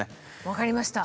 分かりました！